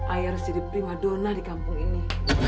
aie harus jadi prima donah di kampung ini